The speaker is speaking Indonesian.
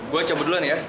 gue campur duluan ya